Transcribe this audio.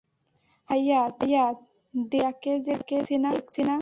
হারি ভাইয়া, দেবি ভাইয়াকে যে দেখছি না।